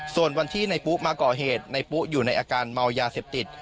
ส่วนวันที่ในปุ๊มาก่อเหตุในปุ๊อยู่ในอาการเมายาเสพติด